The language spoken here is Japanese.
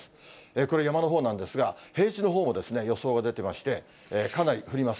これ、山のほうなんですが、平地のほうも予想が出てまして、かなり降ります。